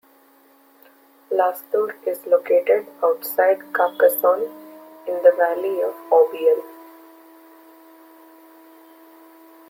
Lastours is located outside Carcassonne, in the valley of the Orbiel.